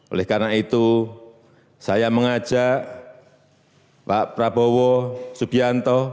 oleh karena itu saya mengajak pak prabowo subianto